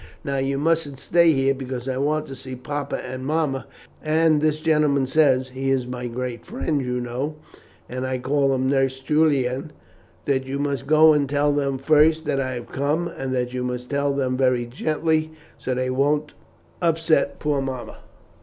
Now, you mustn't stay here, because I want to see papa and mamma; and this gentleman says he is my great friend, you know, and I call him Nurse Julian that you must go and tell them first that I have come, and that you must tell them very gently, so that it won't upset poor mamma."